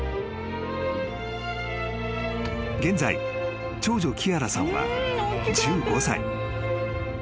［現在長女キアラさんは１５歳］